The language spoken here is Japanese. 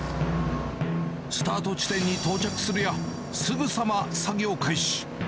スタート地点に到着するや、すぐさま作業開始。